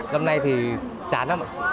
năm nay thì chán lắm